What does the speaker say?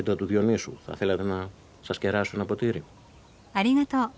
ありがとう。